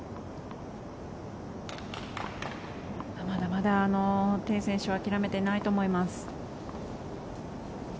まだまだテイ選手は諦めていないと思います。